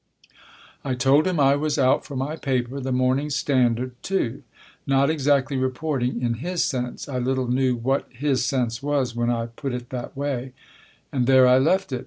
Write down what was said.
I told him I was out for my paper, the Morning Standard, too. Not exactly reporting, in his sense (I little knew what his sense was when I put it that way) ; and there I left it.